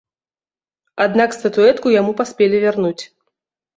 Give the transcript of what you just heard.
Аднак статуэтку яму паспелі вярнуць.